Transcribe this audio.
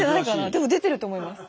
でも出てると思います。